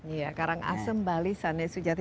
iya karangasem bali sane sujati